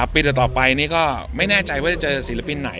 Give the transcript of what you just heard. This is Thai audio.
ปีต่อไปนี้ก็ไม่แน่ใจว่าจะเจอศิลปินไหน